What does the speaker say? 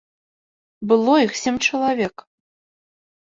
Было іх сем чалавек.